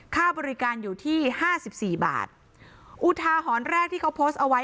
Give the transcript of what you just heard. ค่าบริการอยู่ที่ห้าสิบสี่บาทอุทาหรณ์แรกที่เขาโพสต์เอาไว้